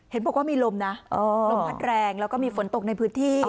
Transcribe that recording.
เห็นบอกว่ามีลมนะลมพัดแรงแล้วก็มีฝนตกในพื้นที่